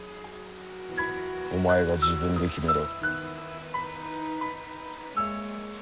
お前が自分で決めろ。